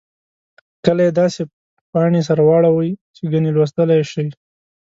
کله یې داسې پاڼې سره واړوئ چې ګنې لوستلای یې شئ.